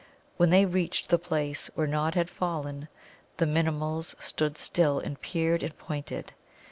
When they reached the place where Nod had fallen, the Minimuls stood still and peered and pointed.